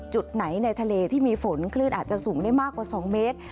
จุดไหนในทะเลที่มีฝนคลื่นอาจจะสูงได้มากกว่า๒เมตร